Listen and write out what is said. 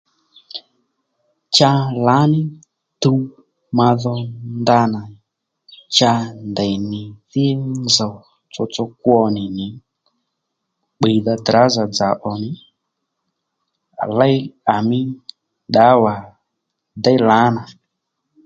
Cha lǎní tuw ma dho ndanà cha ndèynì í nzòw tsotso kwo nì nì bbiydha Drǎzà dzà ò nì à léy à mí ddǎwà déy lǎnà